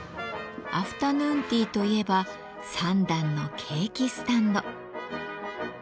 アフタヌーンティーといえば３段のケーキスタンド。